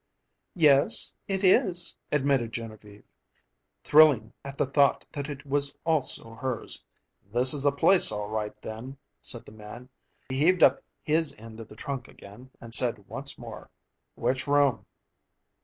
"Yes, it is," admitted Genevieve, thrilling at the thought that it was also hers. "This is the place all right, then," said the man. He heaved up his end of the trunk again, and said once more, "Which room?"